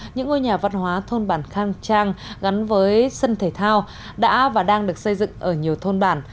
những ngôi nhà văn hóa thôn bản khang trang gắn với sân thể thao đã và đang được xây dựng ở nhiều thôn bản